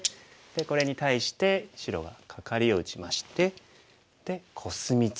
これに対して白はカカリを打ちましてでコスミツケ。